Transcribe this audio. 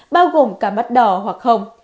bao gồm cả mắt đỏ hoặc hồng